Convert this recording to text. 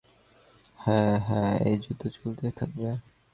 হ্যাঁ, হ্যাঁ, এই যুদ্ধ চলতেই থাকবে।